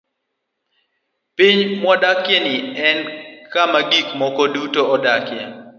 Piny mwadakieni en kama gik moko duto odakie.